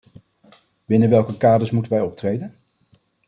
Binnen welke kaders moeten wij optreden?